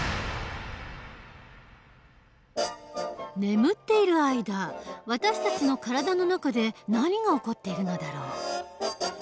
眠っている間私たちの体の中で何が起こっているのだろう？